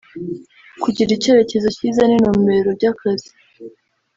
kugira icyerekezo cyiza n’intumbero by’akazi